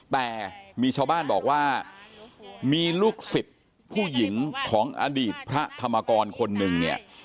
แต่มีชาวบ้านบอกว่ามีลูกศิษย์ผู้หญิงของอดีตพระธรรมกรคนหนึ่งเนี่ย